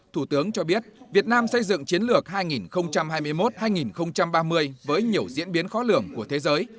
thủ tướng cho biết việt nam xây dựng chiến lược hai nghìn hai mươi một hai nghìn ba mươi với nhiều diễn biến khó lường của thế giới